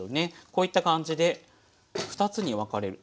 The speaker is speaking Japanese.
こういった感じで２つに分かれる。